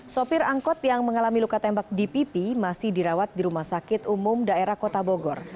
sopir angkot yang mengalami luka tembak di pipi masih dirawat di rumah sakit umum daerah kota bogor